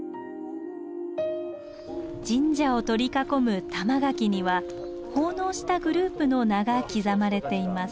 神社を取り囲む玉垣には奉納したグループの名が刻まれています。